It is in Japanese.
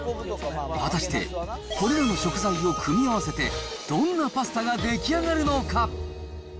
果たして、これらの食材を組み合わせて、どんなパスタが出来上がるのか。